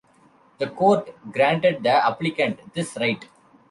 The court granted the applicant this right.